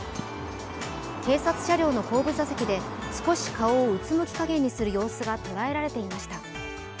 警察車両の後部座席で、少し顔をうつむき加減にする様子が捉えられていました。